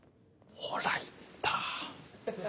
ほら言った。